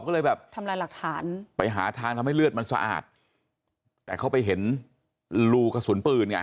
ก็เลยแบบทำลายหลักฐานไปหาทางทำให้เลือดมันสะอาดแต่เขาไปเห็นรูกระสุนปืนไง